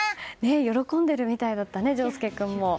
喜んでるみたいだったね丞亮君も。